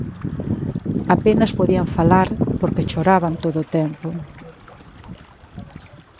Apenas podían falar porque choraban todo o tempo.